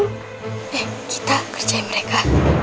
nih kita kerjain mereka